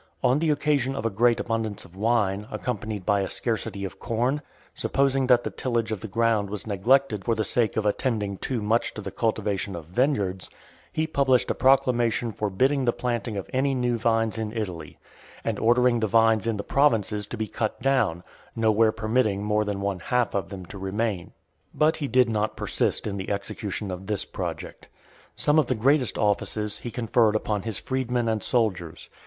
On the occasion of a great abundance of wine, accompanied by a scarcity of corn, supposing that the tillage of the ground was neglected for the sake of attending too much to the cultivation of vineyards, he published a proclamation forbidding the planting of any new vines in Italy, and ordering the vines in the provinces to be cut down, nowhere permitting more than one half of them to remain . But he did not persist in the execution of this project. Some of the greatest offices he conferred upon his freedmen and soldiers.